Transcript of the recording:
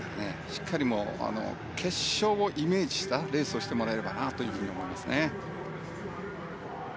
しっかり決勝をイメージしたレースをしてもらえればなと思いますね。